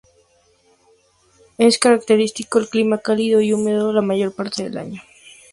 Es característico el clima cálido y húmedo la mayor parte del año.